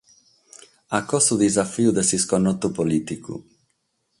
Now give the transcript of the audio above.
Acò su disafiu de s’isconnotu polìticu.